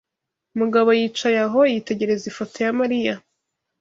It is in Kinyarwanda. Mugabo yicaye aho, yitegereza ifoto ya Mariya